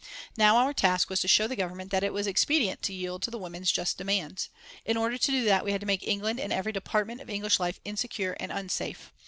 Now our task was to show the Government that it was expedient to yield to the women's just demands. In order to do that we had to make England and every department of English life insecure and unsafe.